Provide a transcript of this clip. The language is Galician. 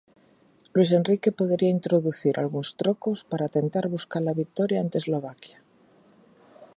Luís Enrique podería introducir algúns trocos para tentar buscar a vitoria ante Eslovaquia.